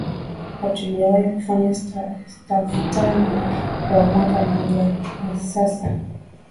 Hatujawahi kunywa staftahi kwa mwaka mmoja sasa